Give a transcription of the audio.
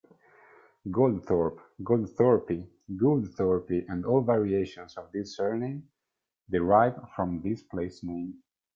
Goldthorp, Goldthorpe, Gouldthorpe and all variations of this surname, derive from this placename.